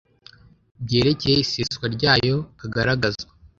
Byerekeye iseswa ryayo kagaragazwa